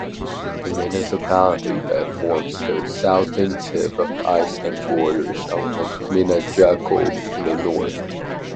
The municipality that forms the southern tip of Iceland borders on Mýrdalsjökull in the north.